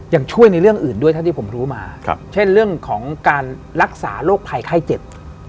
ยังช่วยในเรื่องอื่นด้วยเท่าที่ผมรู้มาเช่นเรื่องของการรักษาโรคภัยไข้เจ็บ